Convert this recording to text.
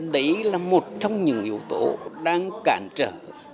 đấy là một trong những yếu tố đang cản trở